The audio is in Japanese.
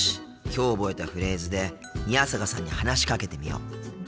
きょう覚えたフレーズで宮坂さんに話しかけてみよう。